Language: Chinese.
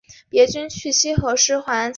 合叶草为远志科远志属下的一个种。